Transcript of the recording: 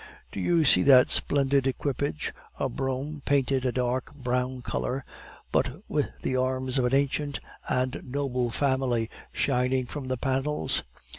"Do you see that splendid equipage, a brougham painted a dark brown color, but with the arms of an ancient and noble family shining from the panels?